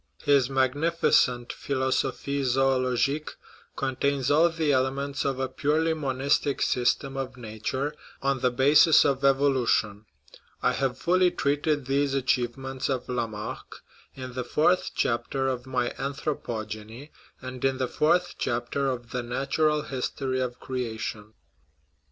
His magnificent Philosophic Zoologique con 76 THE HISTORY OF OUR SPECIES tains all the elements of a purely monistic system of nature on the basis of evolution. I have fully treated these achievements of Lamarck in the fourth chapter of my Anthropogeny, and in the fourth chapter of the Natural History of Creation.